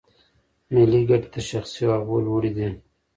ملي ګټې تر شخصي هغو لوړې دي.